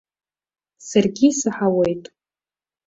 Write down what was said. Саргьы исаҳауеит.